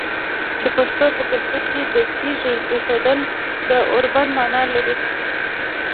د پښتنو په کلتور کې د تیږې ایښودل د اوربند معنی لري.